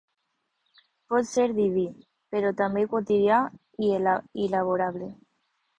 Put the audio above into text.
Pot ser diví, però també quotidià i laborable.